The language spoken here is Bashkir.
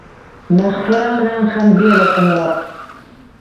Мәғфүрә менән Хәмдиә лә тыңлап: